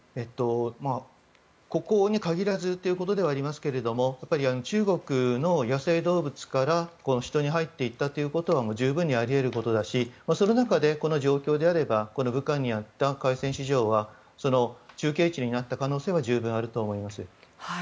ここに限らずということでありますけどやっぱり中国の野生動物からヒトに入っていったことは十分にあり得ることだしその中で、この状況であれば武漢にあった海鮮市場は中継地になった可能性はあると思います。